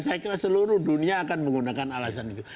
saya kira seluruh dunia akan menggunakan alasan itu